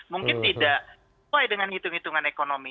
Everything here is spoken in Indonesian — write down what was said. mungkin tidak sesuai dengan hitung hitungan ekonomi